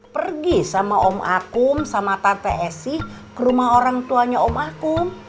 pergi sama om akum sama tante esi ke rumah orang tuanya om akum